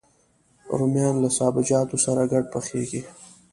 رومیان له سابهجاتو سره ګډ پخېږي